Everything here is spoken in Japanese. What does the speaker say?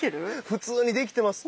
普通にできてます。